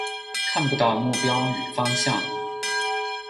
看不到目标与方向